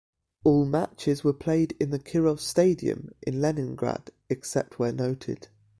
All matches were played at the Kirov Stadium in Leningrad except where noted.